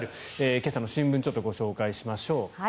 今朝の新聞をちょっとご紹介しましょう。